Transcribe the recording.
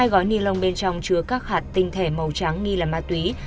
hai gói ni lông bên trong chứa các hạt tinh thể màu trắng nghi là ma túy